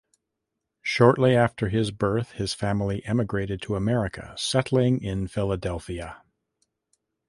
Shortly after his birth his family emigrated to America, settling in Philadelphia.